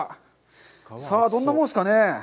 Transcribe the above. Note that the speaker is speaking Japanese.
さあ、どんなもんですかね。